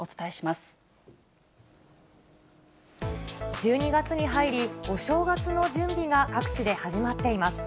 １２月に入り、お正月の準備が各地で始まっています。